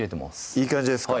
いい感じですか？